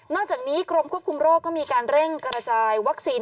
อกจากนี้กรมควบคุมโรคก็มีการเร่งกระจายวัคซีน